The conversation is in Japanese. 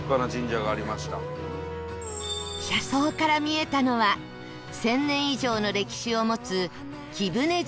車窓から見えたのは１０００年以上の歴史を持つ